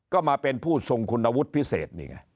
ก็มาเป็นผู้ทรงคุณวุฒิพิเศษนี่ไง